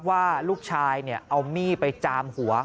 ว่าลูกชายเอามีดไปจามหัว